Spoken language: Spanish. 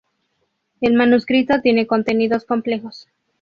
El manuscrito tiene contenidos complejos.